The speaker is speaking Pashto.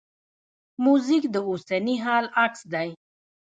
موزیک د اوسني حال عکس دی.